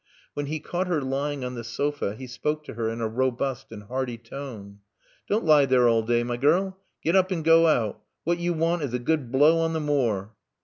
When he caught her lying on the sofa he spoke to her in a robust and hearty tone. "Don't lie there all day, my girl. Get up and go out. What you want is a good blow on the moor."